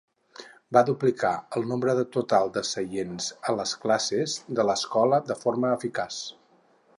Va duplicar el nombre total de seients a les classes de l'escola de forma eficaç.